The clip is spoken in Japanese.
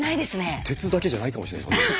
鉄だけじゃないかもしれないですよ。